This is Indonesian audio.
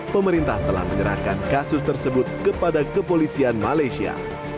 pemerintah telah menyerahkan kasus tersebut kepada kepolisian malaysia